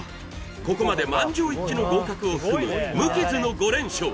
ここまで満場一致の合格を含む無傷の５連勝